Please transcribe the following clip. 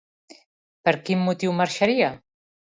Per quin motiu marxaria?